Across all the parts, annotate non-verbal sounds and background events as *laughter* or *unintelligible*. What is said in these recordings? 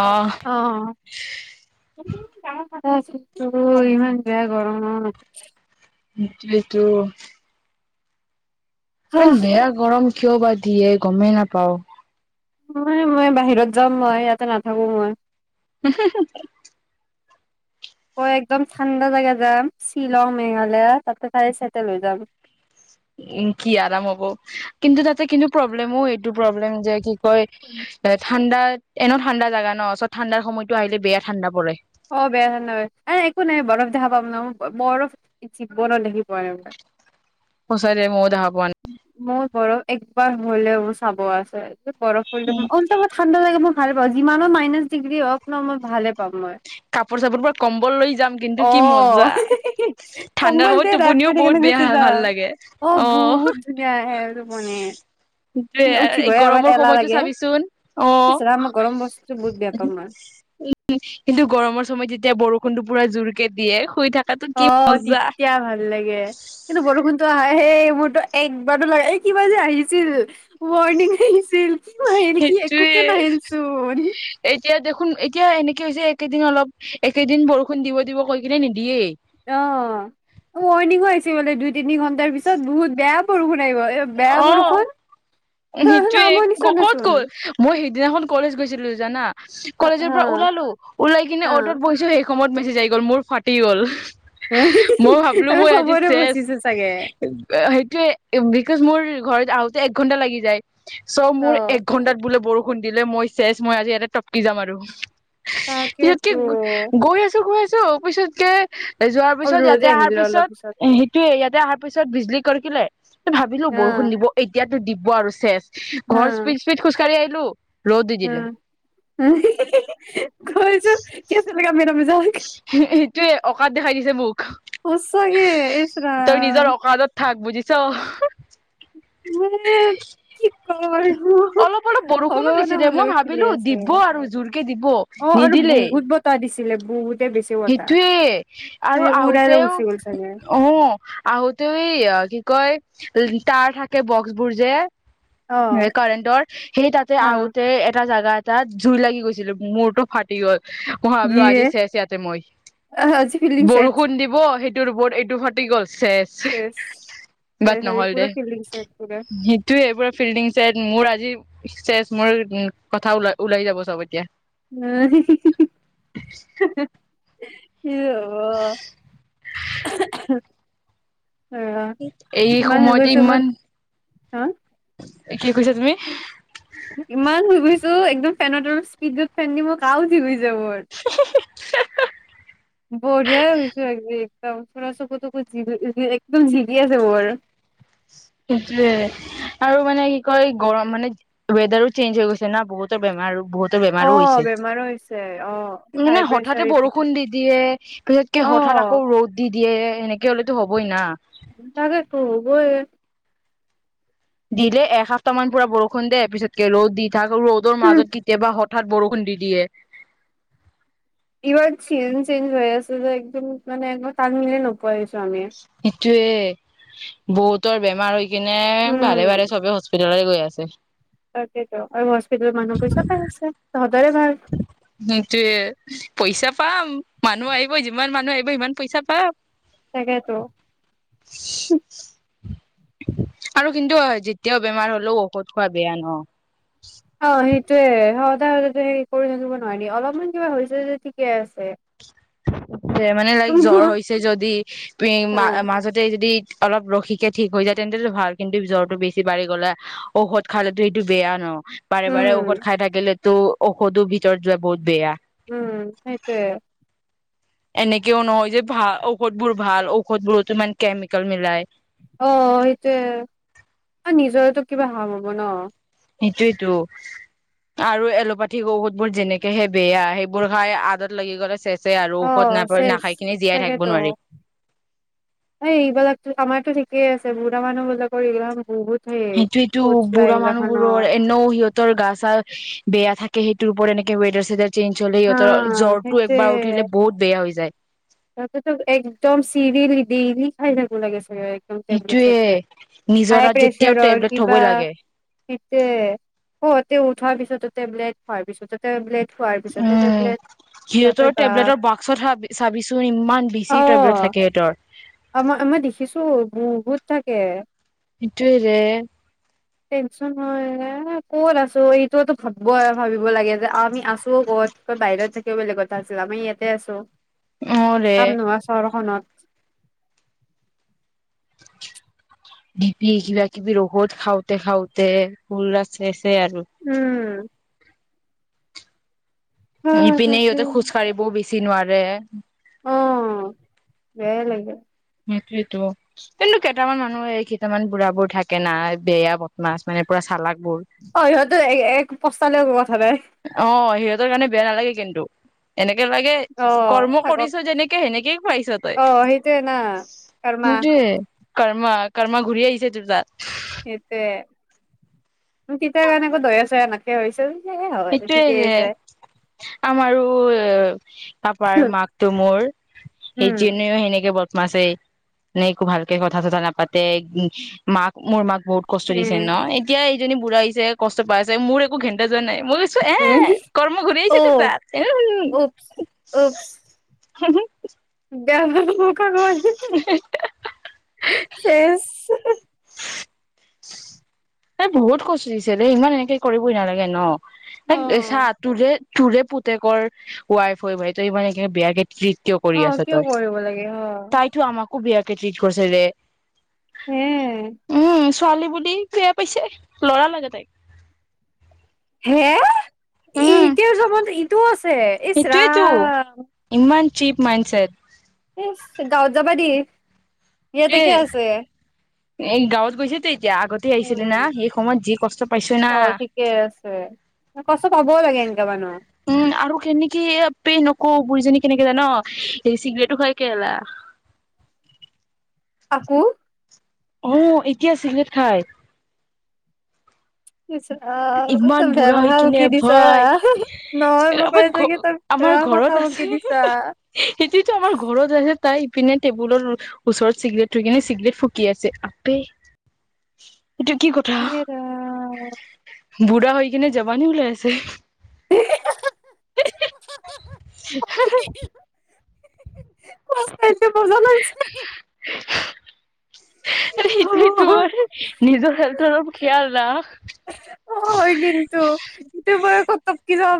অ', অঁ তো ইমান বেয়া গৰম ন সেই টো ইমান বেয়া গৰম কিয় বা দিয়ে গমেই নাপাওঁ ম মই বাহিৰত যাম মই ইয়াতে নাথাকো মই উম হুম মই একদম ঠাণ্ডা জাগা যাম শ্বিলং মেঘালয় তাতে তাই চেটেল হৈ যাম উম কি আৰাম হব কিন্তু তাতে কিন্তু প্ৰব্লেমো এইটো প্ৰব্লেম যে কি হয় এ ঠাণ্ডা এনে ঠান্দা জগা ন চৰত ঠাণ্ডাৰ সময়ত আহিল বেয়া ঠাণ্ডা পৰে অঁ বেয়া নহ এ একো নাই বৰফ দেখা পাম ন বৰফ জীৱনত দেখি পোৱা নাই সচাঁকৈ মই ও দেখা পোৱা নাই মোৰ বৰফ একবাৰ হলেও চাব আছে বৰফ পৰি অলপ ম ঠাণ্ডা লাগে মই ভাল পাওঁ যিমানো মাইনাছ ডিগ্ৰী হওঁক ন মই ভালে পাম মই কাপোৰ চাপোৰ পৰা কম্বল লৈ যাম কিন্তু অ কি মজা ঠাণ্ডা সময়ত কম্বলটোৱে ৰেপ টোপনিও কৰি বহুত কেনে বেয়া গুচি ভাল যাম লাগে অ আহ বহুত ধুনীয়া আহে টোপনি কিন্তু এই উঠিবহে আমাৰ গৰমৰ এলাহ সময়তো লাগে চাবিচোন অঁ ইচ ৰাম মই গৰম বস্তুটো বহুত বেয়া পাওঁ মই উম গৰমৰ সময়ত যেতিয়া বৰষুণ তো পুৰা জোৰকৈ দিয়ে শুই থাক অঁ তেতিয়া ভাল লাগে কিন্তু বৰষুণ তো আহে এইবোৰতো একবাৰো লে এই কি বি আহিছিল ৱৰ্ণিক লিষ্টত সেইটোৱে চোন এতিয়া দেখোন এক এতিয়া এনেকে হৈছে এইকেদিন অলপ এইকেদিন বৰষুণ দিব দিব কৈ কিনে নিদিয়েই অ ৱৰ্ণিংও আহিছে বোলে দুই তিনি ঘণ্টাৰ পিছত বহুত ব্যয়াম বৰষুণ নাহিব এ বেয়া অ', বৰষুন সেইটোয়ে ক'ত গ'ল মই সিদিনাখন কলেজ গৈছিলো জানা হা কলেজৰ পৰা ওলালো ওলাই কিনে হা অটত বৈছো সেই সময়ত ত মেছেজ আহ গ'ল মোৰ ফাটি গ'ল মই ভাবিলো তাকে মই আজি চবৰে চেচ ফচিছে চাগে সেইটোয়ে বিকজ মোৰ ঘৰত আ এক ঘণ্টা লাগি যায় চ' অ মোৰ এক ঘন্টাত বোলে বৰষুণ খুন্দিলে মই চেজ মই আজি ইয়াতে টপকি যাম আৰু পিছত কি তাকেতো গৈ আছো গৈ আছো পিছতকৈ যোৱাৰ অ পিছত, ৰজে ইয়াতে অহাৰ আহিলে অলপ পিছত সেইটোয়ে ইয়াত, অহাৰ পিছত বিজলী কৰকিলে, ভাবিলো হা বৰষুণ দিব, এতিয়া টো দিব আৰু শেষ। ঘৰ স্পিড-স্পিড খোজকাঢ়ি আহিছো। হেল্ল', উ কৈছো কি *unintelligible* যা'ক এইটোৱে অকাত দেখাই দিছে মোক। সঁচাকে ইছ ৰাম। ছ। মানে কি কম আৰু অলপ-অলপ বৰষুণো ভগৱানে দিছিলে আমাৰ মই লগত খেলি ভাবিলো আছে দিব আৰু জোৰকে দিব নিদিলেই। বতাহ দিলে বহুত। বেছি বতাহ সেইটোৱে সেই আৰু উৰাই লৈ আহোতেও গুচি গ'ল চাগে অহ' আহোতেও কি? কৈ তাৰ থাকে বক্স বোৰ যে, অ কাৰেণ্টৰ সেই তাতে অ আহোতে এটা জাগা তাত জুই লাগি গৈছিল মূৰটো ফাটি গ'ল। মই বলো ইয়ে আজি চেচ ইয়াতে মই আজি ফিল্ডিং চেট বৰষুণ দিব সেই তোৰ বৰ্ড এইটো ফাটি গল। চেচ বাট হেৰি নহল দে পুৰা ফিল্ডিং চেট পুৰা সেইটোয়ে এইবোৰ ফিল্ডিং চেট মোৰ আজি চেচ মোৰ কথা ল ওলাই যাব চব এতিয়া। অহ' কি হব। এই সময়তে ইমান হা, কি কৈছা তুমি? তো একদম ফেনত অলপ স্পীডত ফেন দি মই কা উঠি গৈছে। জেৱৰ্দ বঢ়িয়া হৈছে আজি। ও চকু-তকু জিগি একদম জিগি আছে ৱৰ্ডত। সেইয়ে আৰু মানে কি কয় গৰম মানে ৱেডাৰো চেঞ্জ হৈ গৈছে না বহুতৰ বেমাৰ আৰু বহুতো বেমাৰো অ' হৈছে বেমাৰো হৈছে অ' হাই মানে প্ৰেচাৰ হঠাতে ইপিনে বৰষুণ দি দিয়ে পিছতকে হঠাৎ অ' আকৌ ৰ'দ দি দিয়ে এনেকে, কিয় লৈ টো হবই না। তাকে টো হবই। দিলে এসপ্তাহ মান পুৰা বৰষুণ দিয় পিছতকে ৰ'দ দি ৰ'দৰ মাজত কেতিয়াবা হঠাৎ বৰষুণ দি দিয়ে ইভন চি চেঞজ হৈ আছে যে একদম মানে এক তান মিল নহ নিচে বহুতৰ বেমাৰ হৈ স কিনে উম, বাৰে বাৰে চবে হস্পি জৰাাই গৈ আছে তটো আৰু কো মানুহ পইচা পাই আছে তহঁতৰে ভাল সেইটোয়ে পইচা পাম মানুহ আহিব যিমান মানুহ আহিব সিমান পইচা পাম তাকেতো আৰু কিন্তু যেতিয়াও বেমাৰ হ'লেও ঔষধ খোৱা বেয়া ন অ সেই সদায় স সে কৰি থাকিব নোৱাৰি অলপমান কিবা হৈছে যে ঠিকে আছে যে মানে লাইক জ্বৰ মোৰ হৈছে যদি হা ম মাজতে যদি অলপ ৰখিকে ঠিক হৈ যায় তেন্তটো ভাল কিন্তু জ্বৰটো বেছি বাঢি গললে ঔষধ খালেতো এইটো বেয়া ন বাৰে বাৰে ঔষধ উম খাই থাকিলে *unintelligible* ঔষধো ভিতৰত যোৱা বহুত বেয়া উম সেইটোৱে এনেকেও নহয় যে ভাল ঔষধবোৰ ভাল ঔষধবোৰতো মান কেমিকেল মিলাই অ সেইটোয়ে নিজৰে কিবা হাৰ্ম হব ন সেইটোয়েইতো আৰু এলোপাথিক ঔষধ বোৰ যেনেকেহে বেয়া সেইবোৰ খাই আদত লাগি গ'লে চেচ অ শেষ তাকেতো নোৱাৰি এই এইবিলাক আমাৰতো ঠিকেই আছে বুঢ়া মানুহবিলাকৰ এইম বহুত সেই সেইটোৱেইটো চৌচলা বুঢ়া মানুহ বোৰৰ এইগিলাখানৰ এনেও সিহঁতৰ গা চা বেয়া থাকে সেইটোৰ ওপৰত এনেক *unintelligible* চেঞ্জ হ'লে হা সিহঁতৰ জ্বৰটো সেইটোয়ে একবাৰ উঠিলে বহুত বেয়া হৈ যায় ততেতো একদম চিৰিয়েলি ডেইলি খাই থাকিব লাগে *unintelligible* সেইটোয়ে হাই নিজৰাত যেতিয়াও প্ৰেচাৰৰ টেবলেট কিবা থবই লাগে তে তে উঠাৰ পিছত টেবলেট হয় পিছতো টেবলেট খোৱাৰ পিছতে উম টেবলেট সিহঁতৰ বাপৰে বাপ টেবলেটৰ *unintelligible* অ বেছি টেবলেট থাকে সিহঁতৰ আমই মই দেখিছো বহুত থাকে *unintelligible* টেনচন হয় ক'ত আছো এইটোতো ভাব ভাবিব লাগে যে আমি আছো ক'ত ক'ত বাহিৰত থাকি বেলেগ কথা আছিল আমি ইয়াতে আছো অ ৰে কামনোহোৱা চহৰখনত ডিপি কিবা কিবি ৰোগত খাওঁতে খাওঁতে ফুল আছে উম হা ইপিনে তাকে সিহঁতে খোজ কাঢ়িবও বেছি চি নোৱাৰে অ বেয়াই‌ লাগে সেইটোৱেইটো কিন্তু কেইটামান মানুহ এই কেইটামান বুঢ়া বোৰ থাকে নাই বেয়া বদমাছ মানে পুৰা চালাক বোৰ অ সিহঁতো এক *unintelligible* অ *unintelligible* ৰ কাৰণে বেয়া নালাগে কিন্তু এনেকে লাগে অ কৰ্ম থাকক কৰিছ যেনেকে সেনেকেই পাইছ তই অ সেইটোয়ে না কৰ্মা সেইটোৱেই কৰ্মাক কৰ্মা ঘূৰি আহিছে তোৰ তাত সেইটোৱে *unintelligible* কাৰণে একো দয়া চয়া *unintelligible* *unintelligible* হৈছিল সেইটোৱে আমাৰো অ তাপাৰ মাকতো মোৰ উম সেইজনীও সেনেকে বৰ্ত মাছে নে একো ভালকে কথা চথা নাপাতে মাক মোৰ মাক বহুত কষ্ট দিছে ন উম এতিয়া জনী বুঢ় আহিছে কষ্ট পাই আছে মোৰ একো ঘেণ্টাা যোৱা নাই মই কৈছো এ কৰ্ম ঘূৰি অ আহছে তোৰ তাত এ হ উপচ এদ োকাক শেষ এ বহুত কষ্ট দিছে দে ইমান এনেকে কৰিবই নালাগে ন অ ত চাহ তৰে তোৰে পুতেকৰ ৱাইফ হয় বাই ত ইমান এ বেয়া কেই নৃত অ কৰি আছ কিয় তই কৰিব লাগে অ তাইতো আমাকো বিয়া টিত কৰিছে ৰে হম উম উ ছোৱালী বুলি বয়া পাইছে লৰা লাগে তাইক হে এ উম এতিয়া চবত ইচৰাম চীপ মানসাৰ এ গাঁৱত যাবা দি ইয়াতে কি সেইটোয়ে আছে এই গাঁৱত বৈছেতে আগতে আহিছিলে না উম সেই সময়ত যি কষ্ট পাইছ না কচ পাব লাগে মানুহ উম আৰু কেনে কি প ন ক বুঢ়ীজনী কেনেকে য ন এই চিগৰেটো খাই কেলা আকৌ আহ এতিয়া আছিলে খাই ইচ ৰাম ইমান তই বেয়া বুঢ়া হৈ ভাষা কিনে বকি দিছা ভয় নহয় মই কৈ আমাৰ আছো ঘ কি তই আমাৰ বেয়া ভাষা ঘৰত বকি আছে দিছা সেইটোতো আমাৰ ঘৰত আছে তাই পিনে টেবুলৰ ওচৰত চিগৰেট থৈ কিনে চিগৰেট ফুকি আছে আপে *inaudible* কথা এ ৰাম বুঢ়া হৈ কিনে যাব নি ওলাই আছে হ কছছে মজা লাগছে টি তো ম নিজৰ হেল্থ ন খয়াল ন হয়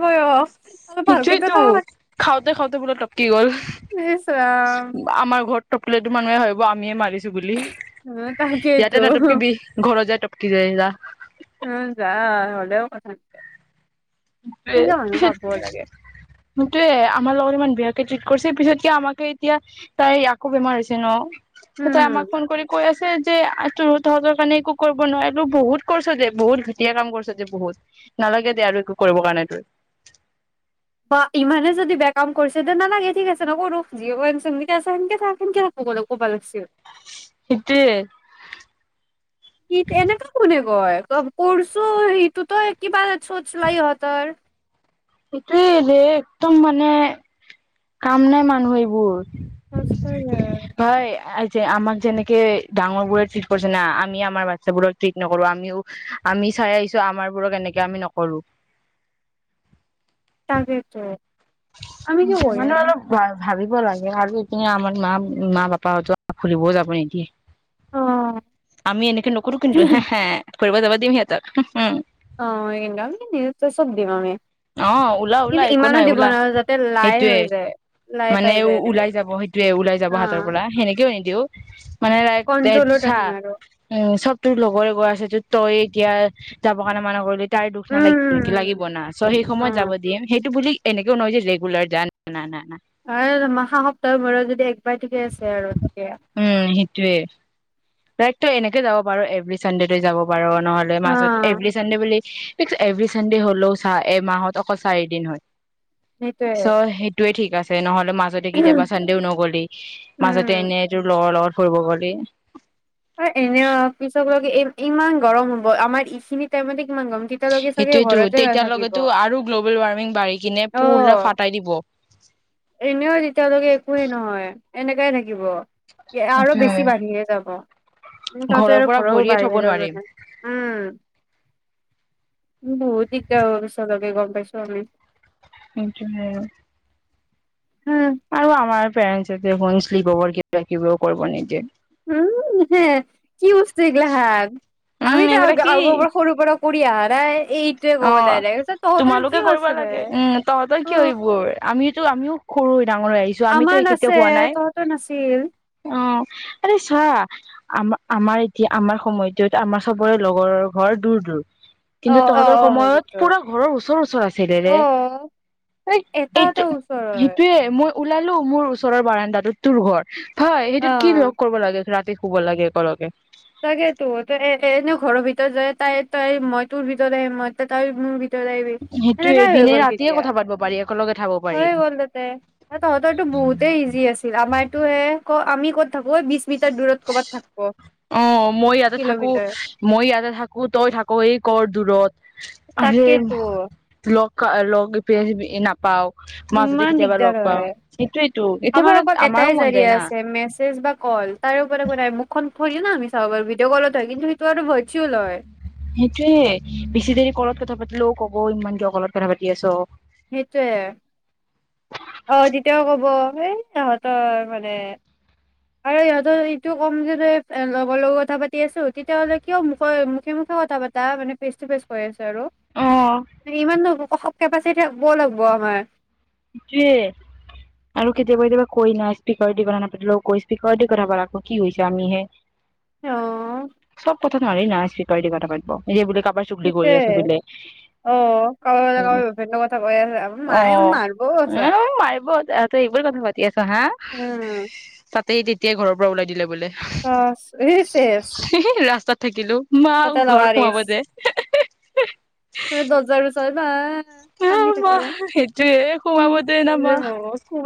হব সিজ তো খাওঁতে খাওঁতে *unintelligible* কি গ'ল ইচ ৰাম আমাৰ ঘৰত টুললে মুহে আমিয়ে মাৰিছে বুলি উম ইয়াতে তাকেইতো নতুবকৈ বিষ ঘৰ য ত *unintelligible* উ যা হলেও কথা সেইটয়ে সেনেকুৱা মানুহ পাব লাগে সেইটয়ে আমাৰ লগত ইমান বিয়াকে ট্ৰিট কৰিছে পিছত কি আমাকে এতিয়া তাই আকৌ বেমাৰ হৈছে ন তই আমাক উম ফোন কৰি কৈ আছ যে তোৰত সহজৰ কাৰণে একো কৰিব নোৱাৰি আৰু বহুত কৰিছ যে বহুত ঘটীয়া কাম কৰিছ যে বহুত নালাগে দে আৰু একো কৰিব কাৰণাই তোৱ বা ইমানে যদি বেয়া কাম কৰিছে দে নালাগে ঠিক আছে নকৰ ৰ সেনকে থাক সেনকে থাকলে ক'বা লাগিছিল এটো এনেককাে শোনে কয় কৰছো সিটোতই কিবা চোচ লাই হতাৰ সেইটোয়ে যে একদম মানে কাম নাই মানুহ এইবোৰ। *unintelligible* যে আমাক যেনেকে ডাঙৰ বোৰে ট্ৰিট কৰিছে না, আমি আমাৰ বাচ্ছাবোৰক ট্ৰিট নকৰো আমিও আমি চাই আহিছো আমাৰ বোৰক এনেকে আমি নকৰো। তাকেইতো। মানে অলপ ভাবিব লাগে আৰু এইপিনে আমাৰ মা-মা পাপাহতো খুলিবও যাব নিদিয়ে। অ আমি এনেকে নকৰো কিন্তু হে হে। কৰিব যাবা দিম সিঁহতক *unintelligible* অঁ, *unintelligible* অ ওলা ওলা কিন্তু একো ইমানো নাই দিব ওলা নোৱাৰো যাতে লাই সেইটোয়ে হৈ যায়। লাই মানে পাই যায় এনেকে ওলাই যাব সেইটোয়ে ওলাই যাব হা হাতৰ পৰা সেনেকেও এ দিওঁ মানে কন্ট্ৰলত *unintelligible* চা ৰাখিম আৰু উম, চব তোৰ লগৰে গৈ আছে যে তই এতিয়া যাব কাৰণে মানুহঘৰলে তাইৰ দুখ উম নালাগিব নে লাগিব উম না চ' সেই সময়ত যাব উম দিম সেইটো বুলি এনেকেও নহয় যে ৰেগুলাৰ যান *unintelligible* না। অঁ মা সা-সপ্তাহৰ মূৰত যদি এক *unintelligible* টোৱে। তই তো এনেকে যাব পাৰ, এভৰি চানডে যাব পাৰ নহ'লে অ মাজত এভৰি চানডে বুলি *unintelligible* এভৰি চানডে হ'লেও চা, এমাহত অকল চাৰিদিন হয়। সেইটোয়ে চ' সেইটোয়ে ঠিক আছে *unintelligible* মাজতে কেতিয়াবা চানদেও নগলি, উম মাজতে এনেই তোৰ লগৰ লগত ফুৰিব গ'লি। অঁ এনে পিছক লকে ইমান গৰম হ'ব, আমাৰ ইখিনি টাইমতে কিমান গম তেতিয়ালৈকে চাগে সেইটোয়েতো ঘৰতে নাথাকিব, তেতিয়ালৈকেতো আৰু গ্ল'বেল ৱাৰ্মিং বাঢ়ি কিনে পুৰা অঁ ফাটাই দিব এনেও তেতিয়ালৈকে একোৱে নহয়। এনেকাই থাকিব। আৰু সেইটোয়ে বেছি বাঢ়িয়ে যাব। উ ঘৰৰ তহতৰ আৰু পৰা ঘৰও ভৰিয়ে থব বাহিৰ নোৱাৰিম। *unintelligible* উম। বহুত দিগদাৰ হ'ব পিছলৈকে গম পাইছোঁ আমি। সেইটোৱে আৰু। হা আৰু আমাৰ পৰেণ্টছে দেখোন ফ্লিপ অভাৰ কিবা কিবাও কৰিব নিদিয়ে। উম, হে কি বস্তু এইগিলাখান? উম আমিতো আগ এইবিলাক কি -আগৌ পৰা সৰুৰ পৰা কৰি অহা নাই? এইটোৱে ক'ব অ', ডাইৰেক্ট তহঁতৰ তোমালোকে কিয় কৰিব আছে বে লাগে। উম। তহঁতৰ অ কিয় এইবোৰ? আমিতো আমিও সৰু ডাঙৰ হৈ আহিছো আমিতো এই আমাৰ কেতিয়াও আছে, হোৱা নাই তহঁতৰ নাছিল। অ আৰে চোৱা, আম-আমাৰ এতিয়া আমাৰ সময়টোত আমাৰ চবৰে লগৰৰ ঘৰ দূৰ দূৰ। অ কিন্তু অ তহঁতৰ অ হয় সময়ত কিন্তু পুৰা ঘৰৰ ওচৰ ওচৰ আছিলে অ ৰে। এটা এটা এই-এইটো ওচৰৰে সেইটোৱে মই ওলালোঁ, মোৰ ওচৰৰ বাৰাণ্ডাটোত তোৰ ঘৰ। হয়, অ সেইটোত কি *unintelligible* কৰিব লাগে? ৰাতি শুব লাগে একলগে। তাগে তো, তই *unintelligible* এনেই ঘৰৰ ভিতৰত যায়, তাই তই মই তোৰ ভিতৰত আহি মই তাই মোৰ ভি *unintelligible* সেইটোয়ে সেনেকাই হৈ দিনে গ'ল ৰাতিয়ে তেতিয়া, কথা পাতিব পাৰি একেলগে থাকব পাৰি হৈ গল তাতে, তহঁতৰো বহুতেই ইজি আছিল। আমাৰ ত হে ক আমি ক'ত, থাকো বিছ মিটাৰ দূৰত ক'বাত থাকোঁ। অ', মই ইয়াতে থাকোঁ, মই ইয়াতে থাকোঁ। তই থাকো এই কৰ দূৰত। আৰহে তাকেইতো লক *unintelligible* নাপাওঁ। ইমান দিগদাৰ হয়। সেইটোয়েতো কেতিয়াবা আমাৰ অকল আমাৰো এটাই মন যায় জাৰিয়া না আছে - মেছেজ বা ক'ল। তাৰে ওপৰত একো নাই, মুখখন থৰি ন আমি চাব পাৰোঁ। ভিডিঅ' কলত হয় কিন্তু সেইটো আৰু ভাৰ্চুৱেল লয়। সেইটোৱে। বেছি দেৰি কলত কথা পাতিলেও ক'ব ইমান কিয় কলত কথা পাতি আছ'। সেইটোৱে। এই তহঁতৰ মানে। আৰু ইিহঁতৰ এইটো ক'ম যে লগৰ লগত কথা পাতি আছোঁ, তেতিয়া হ'লে কিয় মুখে-মুখে মুখে কথা পাতা, মানে ফেচটুফেচ কৈ আছে। আৰু অ *unintelligible* ইমাননো অস কেপাচিটি *unintelligible* লাগব আমাৰ। য়ে আৰু কেতিয়াবা কেতিয়াবা কৈ না স্পিকাৰ দি কথা নাপাতিলেওঁ কৈ স্পিকাৰ দি কথা পাত আক', কি হৈছে আমি হে। অ'। নোৱাৰি না স্পিকাৰ দি কথা পাতব', এ বুলি *unintelligible* অ' *unintelligible* ময়ে মাৰ্ব। উহ, মাৰিবত। তাহঁতে এইবোৰ কথা পাতি আ *unintelligible* হা? উম *unintelligible* সেই তেতিয়াই ঘৰৰ পৰা ওলাই দিলে বোলে। অঁ', ই শেষ। থাকিলোঁ মা ঘৰত সোমাব দে *inaudible* ত দৰজাৰ ওচৰত না হে মা হেতুৱে সোমাব দে কি না যে মা। হ'ব